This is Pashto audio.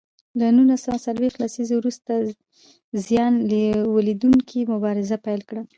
له نولس سوه څلویښت لسیزې وروسته زیان ولیدوونکو مبارزه پیل کړه.